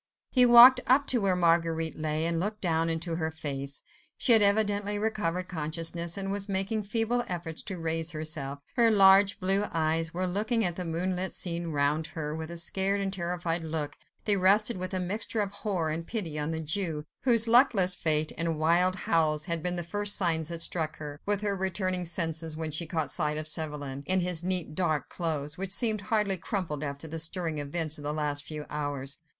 He walked up to where Marguerite lay, and looked down into her face. She had evidently recovered consciousness, and was making feeble efforts to raise herself. Her large, blue eyes were looking at the moonlit scene round her with a scared and terrified look; they rested with a mixture of horror and pity on the Jew, whose luckless fate and wild howls had been the first signs that struck her, with her returning senses; then she caught sight of Chauvelin, in his neat, dark clothes, which seemed hardly crumpled after the stirring events of the last few hours.